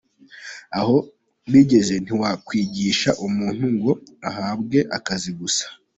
Aho bigeze ntiwakwigisha umuntu ngo ahabwe akazi gusa’.